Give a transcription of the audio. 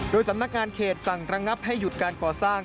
โดยสำนักงานเขตสั่งระงับให้หยุดการก่อสร้าง